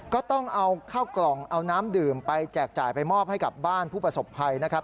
ก็ต้องเอาข้าวกล่องเอาน้ำดื่มไปแจกจ่ายไปมอบให้กับบ้านผู้ประสบภัยนะครับ